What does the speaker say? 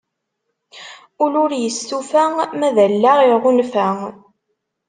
Ul ur yestufa ma d allaɣ iɣunfa.